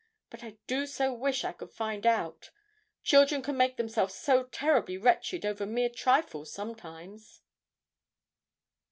But I do so wish I could find out; children can make themselves so terribly wretched over mere trifles sometimes.'